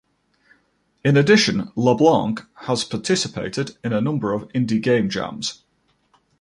In addition, LeBlanc has participated in a number of Indie Game Jams.